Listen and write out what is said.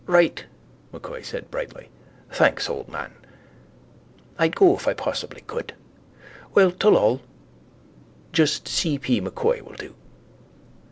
—Right, M'Coy said brightly. Thanks, old man. I'd go if I possibly could. Well, tolloll. Just C. P. M'Coy will do.